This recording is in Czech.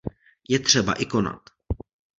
Je třeba i konat.